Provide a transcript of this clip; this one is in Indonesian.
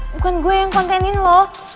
bukan gue yang kontenin loh